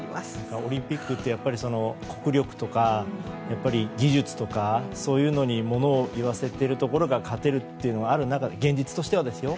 オリンピックってやっぱり国力とか技術とかそういうのに、ものを言わせているところがある中現実としてはですよ。